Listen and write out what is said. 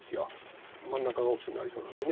真ん中が大きくなりそうなんで。